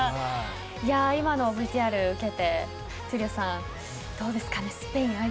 今のＶＴＲを受けて闘莉王さんどうですかね。